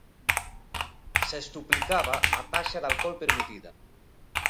Sextuplicaba a taxa de alcol permitida.